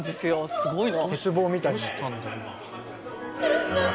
すごいの。